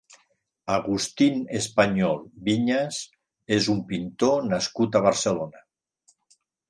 Agustín Español Viñas és un pintor nascut a Barcelona.